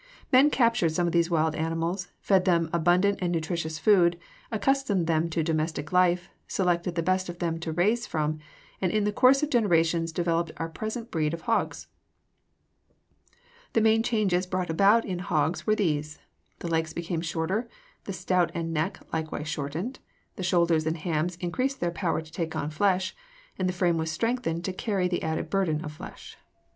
WHICH WILL YOU RAISE?] Man captured some of these wild animals, fed them abundant and nutritious food, accustomed them to domestic life, selected the best of them to raise from, and in the course of generations developed our present breeds of hogs. The main changes brought about in hogs were these: the legs became shorter, the snout and neck likewise shortened, the shoulders and hams increased their power to take on flesh, and the frame was strengthened to carry the added burden of flesh.